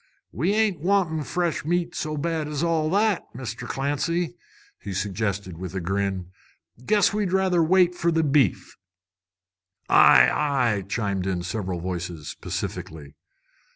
"We ain't wantin' fresh meat so bad as all that, Mr. Clancy," he suggested, with a grin. "Guess we'd rather wait for the beef." "Aye, aye!" chimed in several voices pacifically.